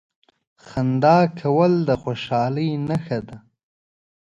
• خندا کول د خوشالۍ نښه ده.